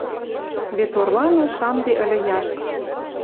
Вет орлана шамде ыльы яшт.